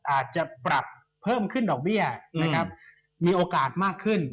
อาจจะปรับเพิ่มขึ้นดอกเบี้ยนะครับมีโอกาสมากขึ้น